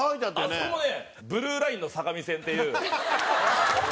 あそこもね「ブルーラインの相模線」っていう。